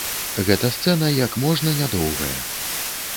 Гэта сцэна як можна нядоўгая.